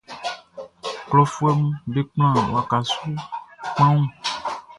Klɔfuɛʼm be kplan waka su kpanwun.